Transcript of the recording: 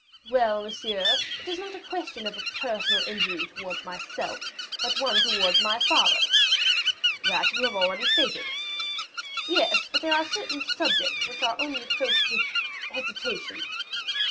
"Well, monsieur, it is not a question of a personal injury towards myself, but one towards my father." "That you have already stated." "Yes; but there are certain subjects which are only approached with hesitation."